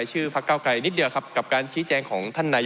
เพราะมันก็มีเท่านี้นะเพราะมันก็มีเท่านี้นะ